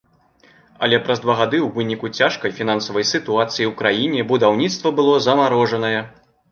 Але праз два гады у выніку цяжкай фінансавай сітуацыі ў краіне будаўніцтва было замарожанае.